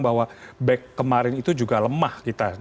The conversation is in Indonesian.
bahwa back kemarin itu juga lemah kita